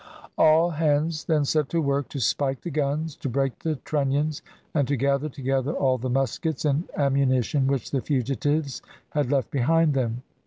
All hands then set to work to spike the guns, to break the trunnions, and to gather together all the muskets and ammunition which the fugitives had left behind them.